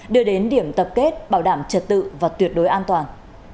đưa đến điểm tập kết bảo đảm trật tự và tuyệt đối an toàn